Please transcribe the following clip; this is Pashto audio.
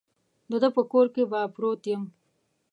د ده په کور کې به پروت یم.